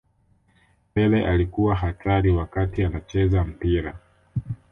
pele alikuwa hatari wakati anacheza mpira